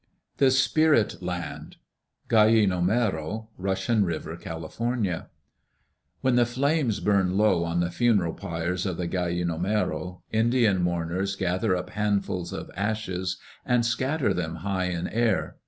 The Spirit Land Gallinomero (Russian River, Cal.) When the flames burn low on the funeral pyres of the Gallinomero, Indian mourners gather up handfuls of ashes and scatter them high in air.